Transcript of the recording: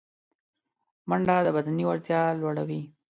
منډه د بدني وړتیا لوړوي